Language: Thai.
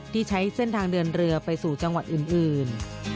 ที่ใช้เส้นทางเดินเรือไปสู่จังหวัดอื่น